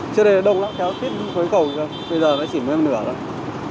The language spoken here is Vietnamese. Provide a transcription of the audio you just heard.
trước đây đông lắm kéo tiếp khối cầu bây giờ nó chỉ mới nửa rồi